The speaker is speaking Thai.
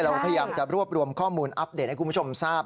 เราพยายามจะรวบรวมข้อมูลอัปเดตให้คุณผู้ชมทราบ